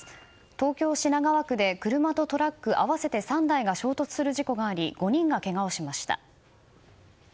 東京・品川区で車とトラック合わせて３台が衝突する事故があり５人がけがをしました。